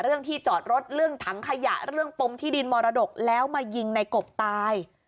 เรื่องที่จอดรถเรื่องถังขยะเรื่องปมที่ดินมรดกแล้วมายิงในกบตาย